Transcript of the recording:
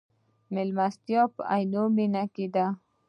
مېلمستیا په عینومېنه کې ده.